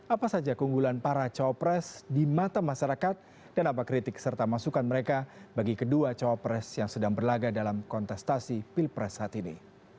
apa saja keunggulan para cawapres di mata masyarakat dan apa kritik serta masukan mereka bagi kedua cowok pres yang sedang berlaga dalam kontestasi pilpres saat ini